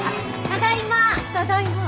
ただいま。